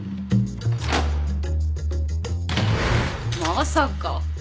まさか！